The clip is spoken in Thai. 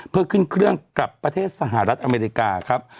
เพื่อขึ้นเครื่องกลับประเทศสหรัฐอเมริกาครับ